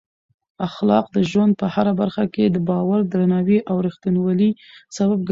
اخلاق د ژوند په هره برخه کې د باور، درناوي او رښتینولۍ سبب ګرځي.